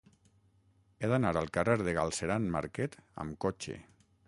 He d'anar al carrer de Galceran Marquet amb cotxe.